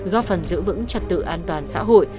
góp phần giữ vững trật tự an toàn xã hội